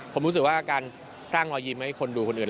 ผมรู้สึกว่าการสร้างรอยยิ้มให้คนดูคนอื่น